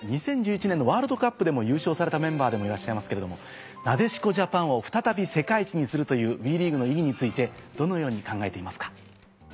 ２０１１年のワールドカップでも優勝されたメンバーでもいらっしゃいますけれどもなでしこジャパンを再び世界一にするというＷＥリーグの意義についてどのように考えていますか？